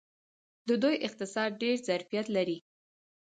د دوی اقتصاد ډیر ظرفیت لري.